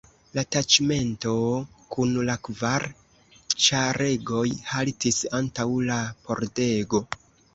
La taĉmento kun la kvar ĉaregoj haltis antaŭ la pordego.